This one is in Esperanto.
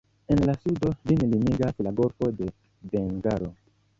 En la sudo ĝin limigas la golfo de Bengalo.